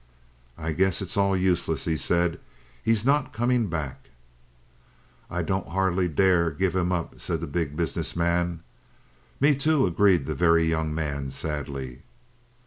"I guess it's all useless," he said. "He's not coming back." "I don't hardly dare give him up," said the Big Business Man. "Me, too," agreed the Very Young Man sadly.